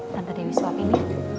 tante dewi suapin ya